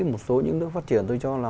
một số những nước phát triển tôi cho là